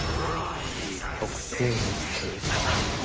「極東の星座」。